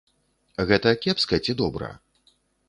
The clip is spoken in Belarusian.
Гэта кепска ці добра?